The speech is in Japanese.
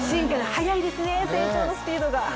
早いですね、成長のスピードが。